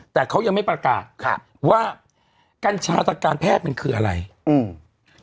แต่เขายังไม่ประกาศครับว่ากัญชาทางการแพทย์มันคืออะไรอืม